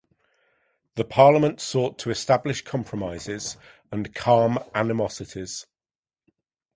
The Parliament sought to establish compromises and calm animosities.